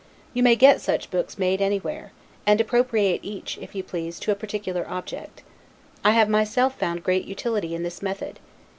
You may get such books made anywhere; and appropriate each, if you please, to a particular object. I have myself found great utility in this method.